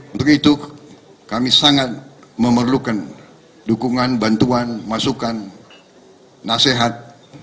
untuk itu kami sangat memerlukan dukungan bantuan masukan nasihat